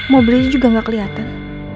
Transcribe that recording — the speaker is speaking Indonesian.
mobilnya juga gak keliatan